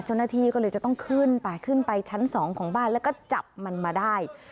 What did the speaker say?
เจ้าหน้าที่ก็เลยจะต้องขึ้นไปขึ้นไปชั้น๒ของบ้านแล้วก็จับมันมาได้